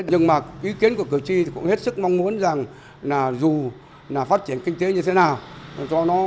nhưng mà ý kiến của cử tri thì cũng hết sức mong muốn rằng là dù là phát triển kinh tế như thế nào